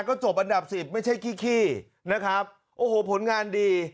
ก็จบอันดับสิบไม่ใช่ขี้ขี้นะครับโอ้โหผลงานดี